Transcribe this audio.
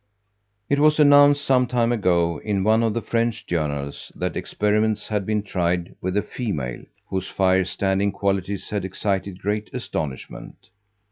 It was announced some time ago, in one of the French journals, that experiments had been tried with a female, whose fire standing qualities had excited great astonishment.